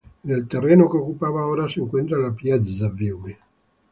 En el terreno que ocupaba, ahora se encuentra la Piazza Fiume.